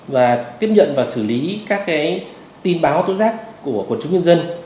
và tiếp nhận và xử lý các tin báo tội giác của quần chúng dân